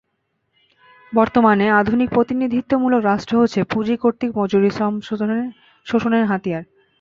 বর্তমানে আধুনিক প্রতিনিধিত্বমূলক রাষ্ট্র হচ্ছে পুঁজি কর্তৃক মজুরি শ্রম শোষণের হাতিয়ার।